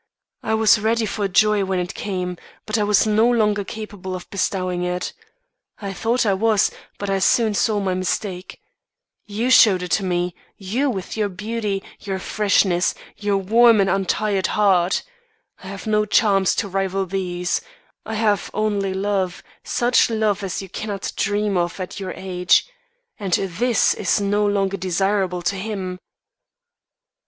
I was ready for joy when it came, but I was no longer capable of bestowing it. I thought I was, but I soon saw my mistake. You showed it to me you with your beauty, your freshness, your warm and untried heart. I have no charms to rival these; I have only love, such love as you cannot dream of at your age. And this is no longer desirable to him!